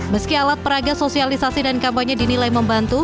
meski alat peraga sosialisasi dan kampanye dinilai membantu